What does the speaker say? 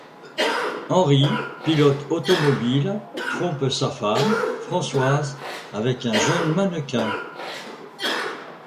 Henri, pilote automobile, trompe sa femme, Françoise, avec un jeune mannequin.